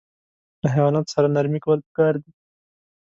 له حیواناتو سره نرمي کول پکار دي.